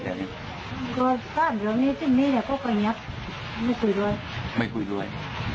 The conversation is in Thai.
เขานเดินนี่ทั้งนี้แล้วก็เพรยมงั้งค่ะไม่คุยด้วย